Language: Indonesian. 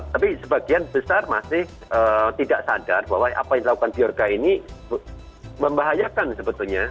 tapi sebagian besar masih tidak sadar bahwa apa yang dilakukan biorga ini membahayakan sebetulnya